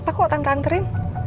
apa kok tante anterin